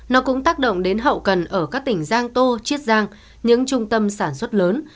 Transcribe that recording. nó cũng tác động đến hậu cần ở các tỉnh giang tô chiết giang những trung tâm sản xuất lớn